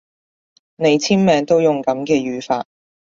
你簽名都用噉嘅語法